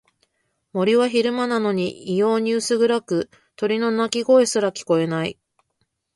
森は昼間なのに異様に薄暗く、鳥の鳴き声すら聞こえない。